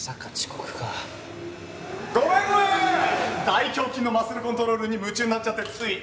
大胸筋のマッスルコントロールに夢中になっちゃってつい。